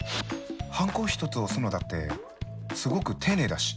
ハンコ一つ押すのだってすごく丁寧だし。